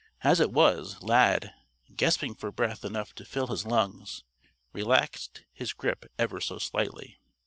As it was, Lad, gasping for breath enough to fill his lungs, relaxed his grip ever so slightly.